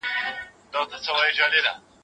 دا څارنه د بنسټیزو مهارتونو د جوړولو لپاره مهمه ده.